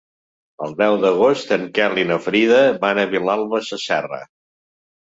El deu d'agost en Quel i na Frida van a Vilalba Sasserra.